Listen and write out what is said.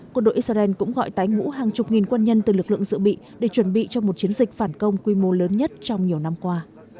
quân đội israel cũng gọi tái ngũ hàng chục nghìn quân nhân từ lực lượng dự bị để chuẩn bị cho một chiến dịch phản công quy mô lớn nhất trong nhiều năm qua